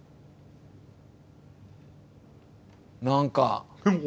何か。